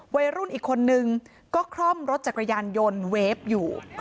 วัยรุ่นอีกคนนึงก็คล่อมรถจักรยานยนต์เวฟอยู่